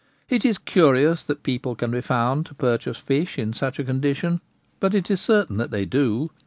It is curious that people can be found to purchase fish in such a co cd rtki; bat tt is certain that they do.